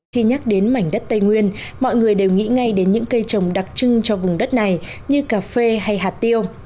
khi nhắc đến mảnh đất tây nguyên mọi người đều nghĩ ngay đến những cây trồng đặc trưng cho vùng đất này như cà phê hay hạt tiêu